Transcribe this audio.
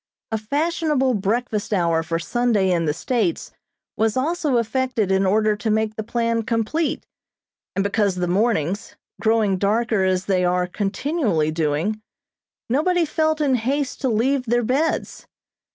A fashionable breakfast hour for Sunday in the States was also affected in order to make the plan complete, and because the mornings, growing darker as they are continually doing, nobody felt in haste to leave their beds.